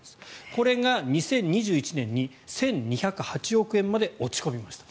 これが２０２１年に１２０８億円まで落ち込みました。